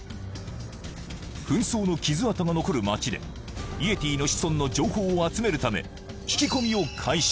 紛争の傷跡が残る町でイエティの子孫の情報を集めるため聞き込みを開始